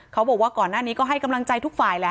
เขาบอกว่าก่อนหน้านี้ก็ให้กำลังใจทุกฝ่ายแหละ